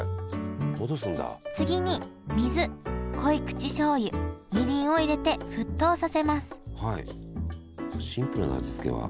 次に水濃い口しょうゆみりんを入れて沸騰させます